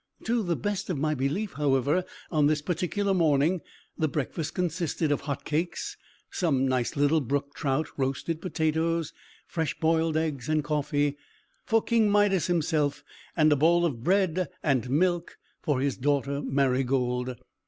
To the best of my belief, however, on this particular morning, the breakfast consisted of hot cakes, some nice little brook trout, roasted potatoes, fresh boiled eggs, and coffee, for King Midas himself, and a bowl of bread and milk for his daughter Marygold.